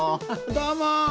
どうも。